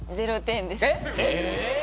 えっ？